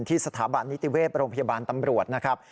สถาบันนิติเวศโรงพยาบาลตำรวจนะครับ